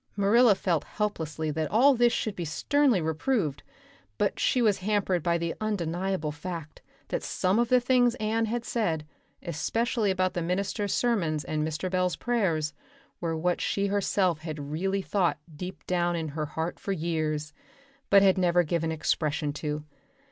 Marilla felt helplessly that all this should be sternly reproved, but she was hampered by the undeniable fact that some of the things Anne had said, especially about the minister's sermons and Mr. Bell's prayers, were what she herself had really thought deep down in her heart for years, but had never given expression to.